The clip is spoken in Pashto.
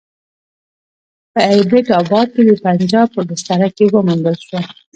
په ایبټ اباد کې د پنجاب په بستره کې وموندل شوه.